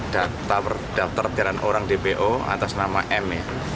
data berdaftar dengan orang dpo atas nama m